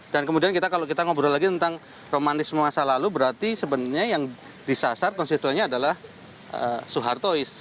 dan kemudian kalau kita ngobrol lagi tentang romantisme masa lalu berarti sebenarnya yang disasar konstituenya adalah suhartois